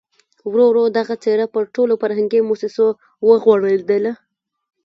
ورو ورو دغه څېره پر ټولو فرهنګي مؤسسو وغوړېدله.